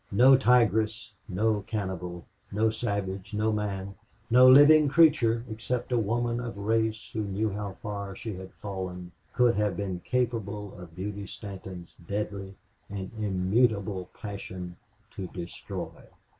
No tigress, no cannibal, no savage, no man, no living creature except a woman of grace who knew how far she had fallen could have been capable of Beauty Stanton's deadly and immutable passion to destroy.